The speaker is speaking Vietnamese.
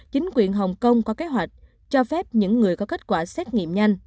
chính quyền hồng kông có kế hoạch cho phép những người có kết quả xét nghiệm nhanh